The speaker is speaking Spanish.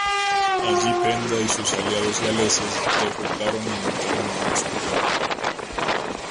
Allí Penda y sus aliados galeses derrotaron y mataron a Oswald.